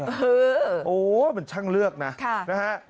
คือโอ้วมันช่างเลือกนะค่ะนะฮะ